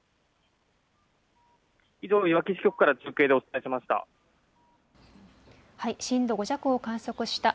以上、いわき市局から中継でお伝えしました。